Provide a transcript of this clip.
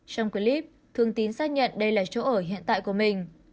trong clip thường tín xác nhận đây là chỗ ở hiện tại của mình